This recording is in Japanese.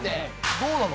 どうなの？